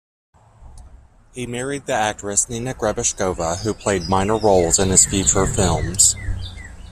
He married the actress, Nina Grebeshkova, who played minor roles in his future films.